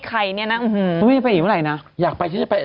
ใครเนี้ยน่ะไม่ได้ไปอีกเวลาน่ะอยากไปฉันจะไปอ่ะ